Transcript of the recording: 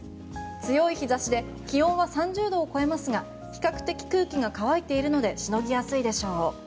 強い日差しで気温は３０度を超えますが比較的空気が乾いているのでしのぎやすいでしょう。